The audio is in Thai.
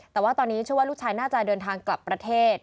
แต่ว่าตอนนี้เชื่อว่าลูกชายน่าจะเดินทางกลับประเทศ